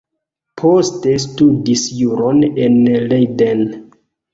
Poste studis juron en Leiden.